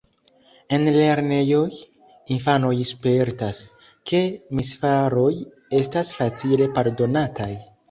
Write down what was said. En lernejoj infanoj spertas, ke misfaroj estas facile pardonataj.